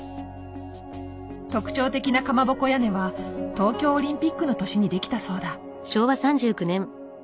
特徴的なカマボコ屋根は東京オリンピックの年に出来たそうだ。